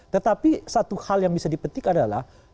tetapi satu hal yang bisa dipetik adalah